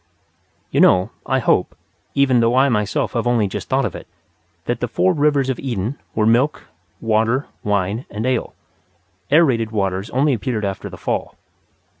You know, I hope (though I myself have only just thought of it), that the four rivers of Eden were milk, water, wine, and ale. Aerated waters only appeared after the Fall.